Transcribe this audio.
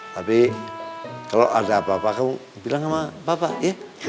tapi kalau ada apa apa kamu bilang sama bapak ya